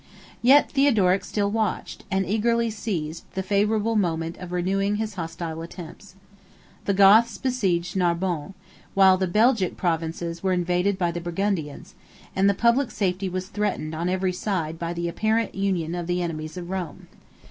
Yet Theodoric still watched, and eagerly seized, the favorable moment of renewing his hostile attempts. The Goths besieged Narbonne, while the Belgic provinces were invaded by the Burgundians; and the public safety was threatened on every side by the apparent union of the enemies of Rome.